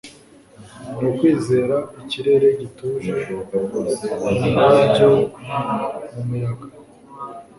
nukwizera ikirere gituje, mumurabyo mumuyaga